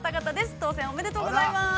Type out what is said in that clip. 当選おめでとうございます。